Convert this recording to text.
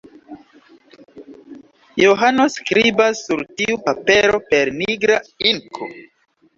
Johano skribas sur tiu papero per nigra inko.